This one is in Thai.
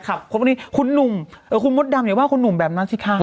ครับพวกนี้คุณหนุ่มคุณมดดำเนี่ยว่าคุณหนุ่มแบบนั้นชิคกี้ยา